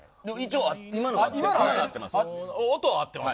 今のは合ってます。